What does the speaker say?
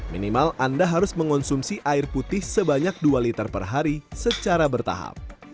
minimal anda harus mengonsumsi air putih sebanyak dua liter per hari secara bertahap